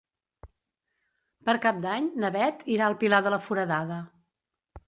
Per Cap d'Any na Beth irà al Pilar de la Foradada.